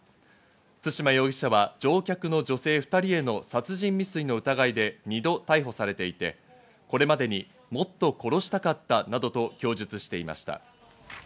対馬容疑者は乗客の女性２人への殺人未遂の疑いで２度逮捕されていて、これまでにもっと殺したかったなどと供述していました。